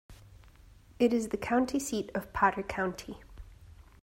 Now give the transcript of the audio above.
It is the county seat of Potter County.